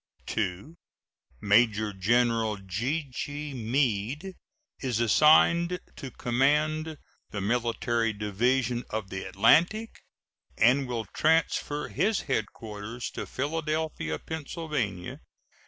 2. Major General G.G. Meade is assigned to command the Military Division of the Atlantic, and will transfer his headquarters to Philadelphia, Pa.